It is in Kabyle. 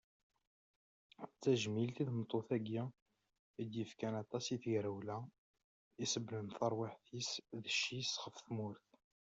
D tajmilt i tmeṭṭut-agi id yefkan aṭas i tegrawla, i iseblen tarwiḥt-is d cci-s ɣef tmurt.